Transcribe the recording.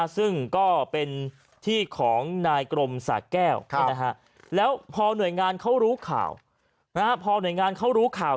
ซึ่งก็เป็นที่ของนายกรมสาแก้วแล้วพอหน่วยงานเขารู้ข่าว